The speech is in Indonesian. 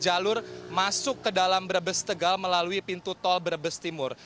jalur masuk ke dalam berbestegal melalui pintu tol berbestimur